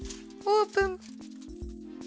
オープン！